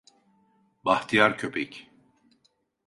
Bahtiyar Köpek.